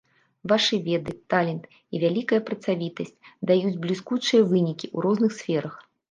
Вашы веды, талент і вялікая працавітасць даюць бліскучыя вынікі ў розных сферах.